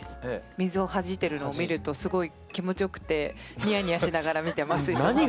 水をはじいてるのを見るとすごい気持ちよくてニヤニヤしながら見てますいつも。